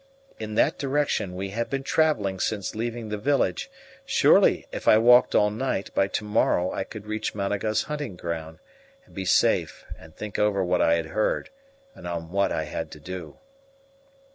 In that direction we had been travelling since leaving the village; surely if I walked all night, by tomorrow I could reach Managa's hunting ground, and be safe and think over what I had heard and on what I had to do.